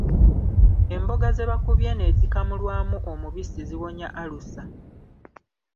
Emboga ze bakubye ne zikamulwamu omubisi ziwonya alusa.